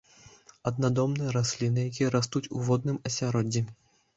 Аднадомныя расліны, якія растуць у водным асяроддзі.